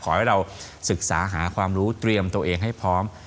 ขอให้เราศึกษาหาความรู้เตรียมตัวเองให้พร้อม